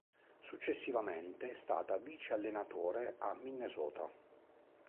Successivamente è stata vice-allenatore a Minnesota.